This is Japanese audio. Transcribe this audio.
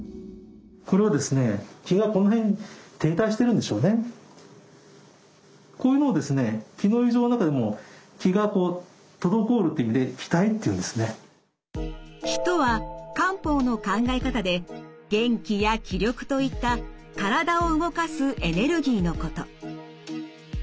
これはですね気の異常の中でも「気」とは漢方の考え方で「元気」や「気力」といった体を動かすエネルギーのこと。